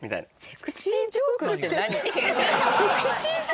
セクシージョークって。